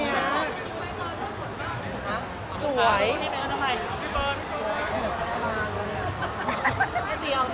เอาเรื่องต่อไป